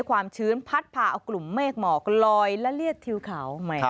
ความชื้นพัดพาเอากลุ่มเมฆหมอกลอยและเลียดทิวเขา